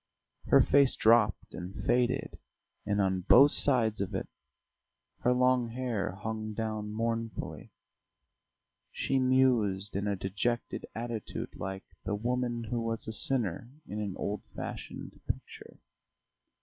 Her face dropped and faded, and on both sides of it her long hair hung down mournfully; she mused in a dejected attitude like "the woman who was a sinner" in an old fashioned picture.